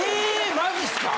マジすか？